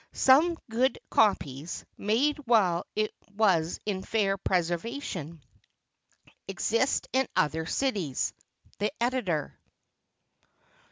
Some good copies, made while it was in fair preservation, exist in other cities." The Editor.